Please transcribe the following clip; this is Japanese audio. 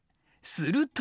すると。